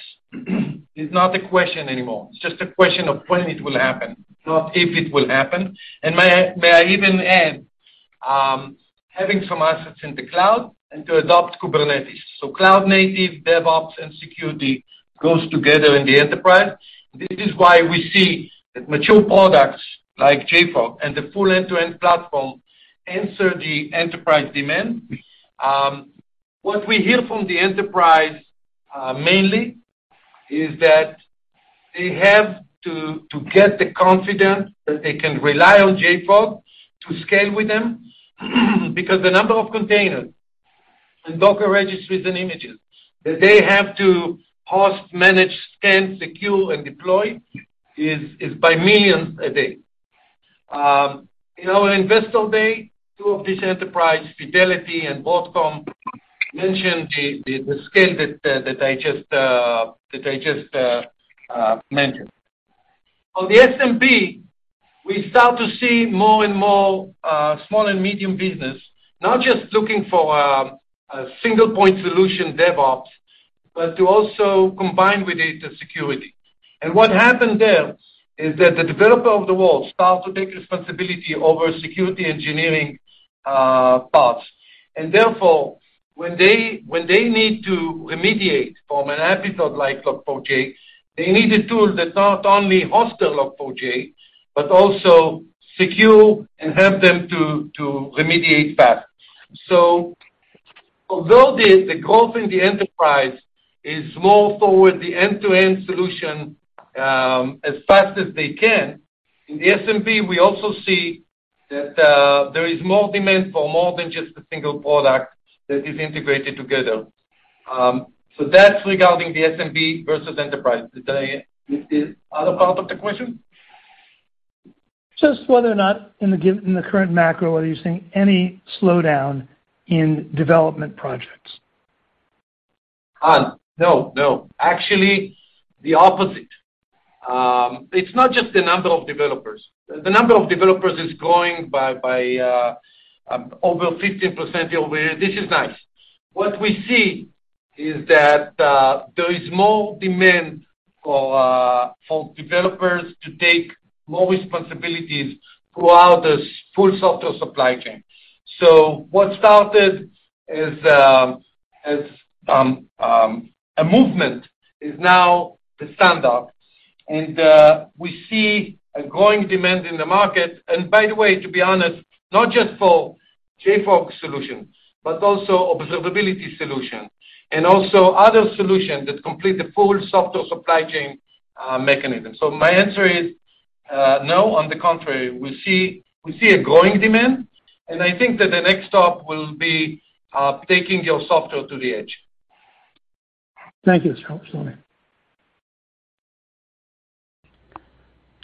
is not a question anymore. It's just a question of when it will happen, not if it will happen. May I even add, having some assets in the cloud and to adopt Kubernetes. Cloud native, DevOps, and security goes together in the enterprise. This is why we see that mature products like JFrog and the full end-to-end platform answer the enterprise demand. What we hear from the enterprise, mainly is that they have to get the confidence that they can rely on JFrog to scale with them because the number of containers and Docker registries and images that they have to host, manage, scan, secure, and deploy is by millions a day. In our Investor Day, two of this enterprise, Fidelity and Broadcom, mentioned the scale that I just mentioned. On the SMB, we start to see more and more small and medium business, not just looking for a single point solution DevOps, but to also combine with it security. What happened there is that the developer of the world start to take responsibility over security engineering paths. Therefore, when they need to remediate from an episode like Log4j, they need a tool that not only hosts the Log4j, but also secure and help them to remediate fast. Although the growth in the enterprise is more toward the end-to-end solution, as fast as they can, in the SMB, we also see that there is more demand for more than just a single product that is integrated together. That's regarding the SMB versus enterprise. This is other part of the question? Just whether or not in the current macro, are you seeing any slowdown in development projects? No. Actually, the opposite. It's not just the number of developers. The number of developers is growing by over 15% year-over-year. This is nice. What we see is that there is more demand for developers to take more responsibilities throughout this full software supply chain. What started as a movement is now the standard. We see a growing demand in the market. By the way, to be honest, not just for JFrog solutions, but also observability solutions, and also other solutions that complete the full software supply chain mechanism. My answer is no. On the contrary, we see a growing demand, and I think that the next stop will be taking your software to the edge. Thank you, Shlomi.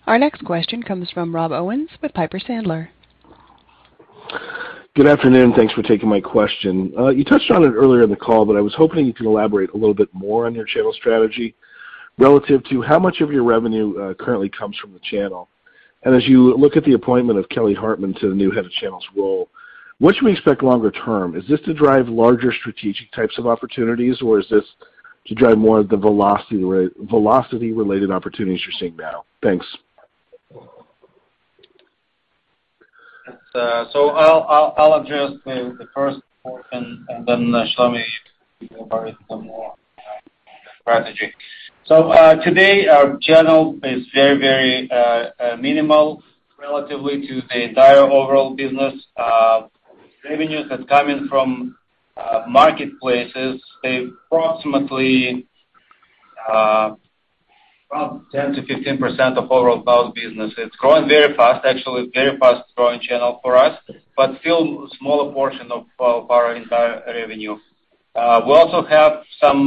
Our next question comes from Rob Owens with Piper Sandler. Good afternoon. Thanks for taking my question. You touched on it earlier in the call, but I was hoping you could elaborate a little bit more on your channel strategy relative to how much of your revenue currently comes from the channel. As you look at the appointment of Kelly Hartman to the new head of channels role, what should we expect longer term? Is this to drive larger strategic types of opportunities, or is this to drive more of the velocity related opportunities you're seeing now? Thanks. It's so I'll address the first portion, and then, Shlomi, you can elaborate some more on the strategy. Today our channel is very minimal relative to the entire overall business. Revenues that's coming from marketplaces, they approximately about 10%-15% of overall cloud business. It's growing very fast, actually, very fast growing channel for us, but still smaller portion of our entire revenue. We also have some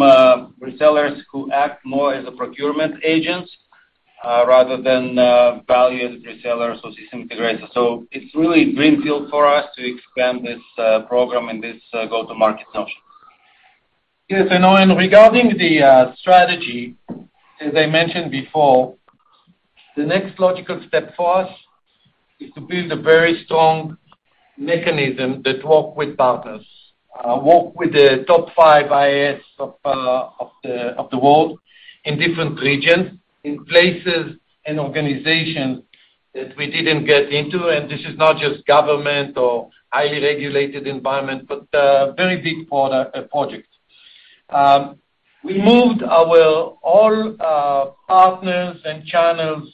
resellers who act more as a procurement agent rather than value-added resellers or system integrators. It's really greenfield for us to expand this program and this go-to-market notion. Yes, Owens, regarding the strategy, as I mentioned before, the next logical step for us is to build a very strong mechanism that work with partners. Work with the top five ISVs of the world in different regions, in places and organizations that we didn't get into. This is not just government or highly regulated environment, but very big project. We moved all our partners and channels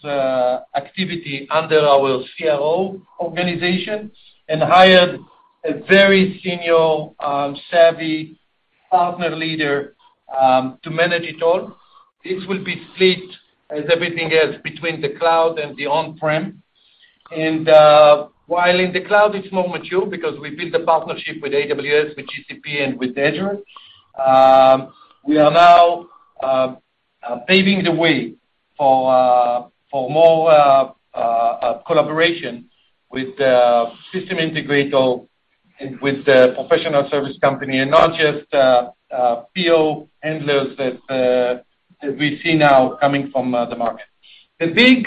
activity under our CRO organization and hired a very senior savvy partner leader to manage it all. This will be split, as everything else, between the cloud and the on-prem. While in the cloud it's more mature because we built the partnership with AWS, with GCP, and with Azure, we are now paving the way for more collaboration with the system integrator and with the professional service company and not just PO handlers that we see now coming from the market. The big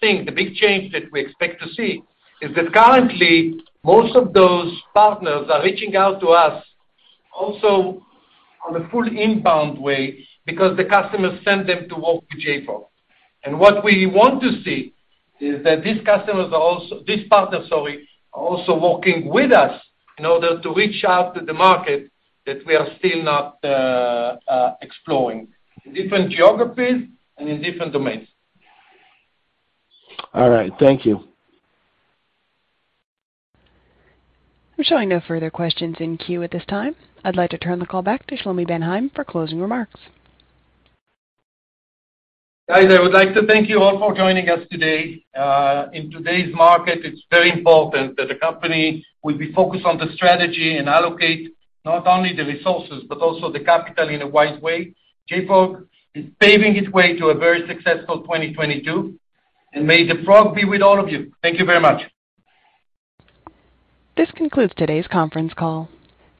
thing, the big change that we expect to see is that currently most of those partners are reaching out to us also on a full inbound way because the customers send them to work with JFrog. What we want to see is that these customers are also. These partners, sorry, are also working with us in order to reach out to the market that we are still not exploring, in different geographies and in different domains. All right. Thank you. We're showing no further questions in queue at this time. I'd like to turn the call back to Shlomi Ben Haim for closing remarks. Guys, I would like to thank you all for joining us today. In today's market, it's very important that the company will be focused on the strategy and allocate not only the resources but also the capital in a wise way. JFrog is paving its way to a very successful 2022, and may the frog be with all of you. Thank you very much. This concludes today's conference call.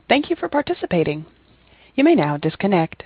Thank you for participating. You may now disconnect.